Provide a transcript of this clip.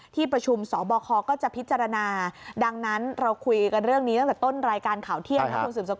ที่ประชุมสบคก็จะพิจารณาดังนั้นเราคุยกันเรื่องนี้ตั้งแต่ต้นรายการข่าวเที่ยงครับคุณสืบสกุ